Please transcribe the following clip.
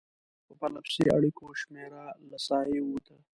په پرلپسې اړیکو شمېره له ساحې ووته.